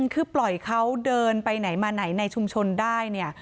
คือปล่อยเขาเดินไปไหนมาไหนในชุมชนได้เนี่ย